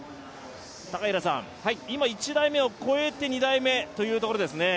今、１台目を越えて２台目、というところですね。